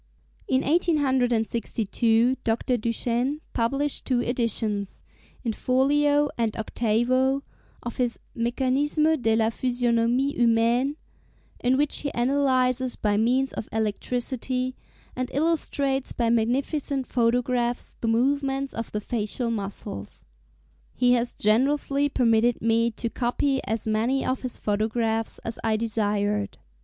In 1862 Dr. Duchenne published two editions, in folio and octavo, of his 'Mécanisme de la Physionomie Humaine,' in which he analyses by means of electricity, and illustrates by magnificent photographs, the movements of the facial muscles. He has generously permitted me to copy as many of his photographs as I desired.